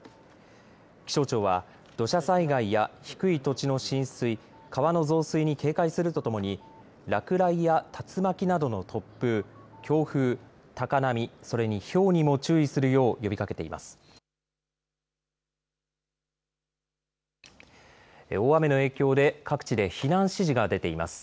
気象庁は土砂災害や低い土地の浸水、川の増水に警戒するとともに落雷や竜巻などの突風、強風、高波、それにひょうにも注意するよう呼びかけています。